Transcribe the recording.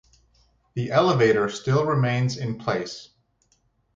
The elevator still remains in place.